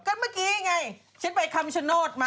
ก็เมื่อกี้ไงฉันไปคำชโนธมา